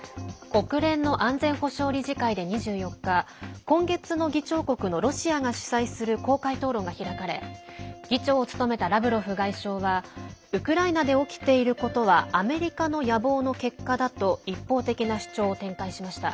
国連の安全保障理事会で２４日今月の議長国のロシアが主催する公開討論が開かれ議長を務めたラブロフ外相はウクライナで起きていることはアメリカの野望の結果だと一方的な主張を展開しました。